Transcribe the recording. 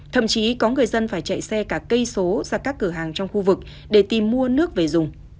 thậm chí có người dân phải chạy xe cả cây số ra các cửa hàng trong khu vực để tìm mua nước về dùng